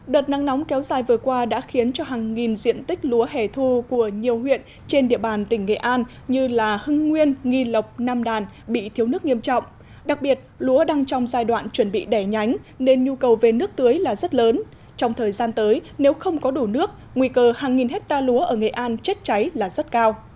đợt nắng nóng kéo dài vừa qua đã khiến cho hàng nghìn diện tích lúa hẻ thu của nhiều huyện trên địa bàn tỉnh nghệ an như là hưng nguyên nghi lộc nam đàn bị thiếu nước nghiêm trọng đặc biệt lúa đang trong giai đoạn chuẩn bị đẻ nhánh nên nhu cầu về nước tưới là rất lớn trong thời gian tới nếu không có đủ nước nguy cơ hàng nghìn hecta lúa ở nghệ an chết cháy là rất cao